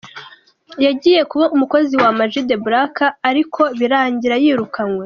Yagiye kuba umukozi wa Ama G The Black ariko birangira yirukanwe.